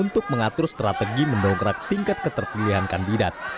sebagai contoh strategi mendongkrak tingkat keterpilihan kandidat